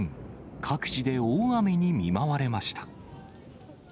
各地で大雨に見舞われました。